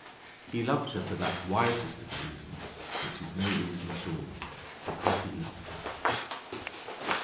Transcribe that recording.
He loved her for that wisest of reasons, which is no reason at all, because he loved her.